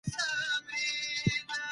دوی د ژبې خدمتګاران دي.